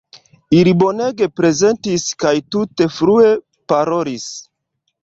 Ili bonege prezentis kaj tute flue parolis.